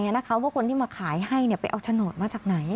ย้อนหลังไปนะคะว่าคนที่มาขายให้ไปเอาโฉนดมาจากไหน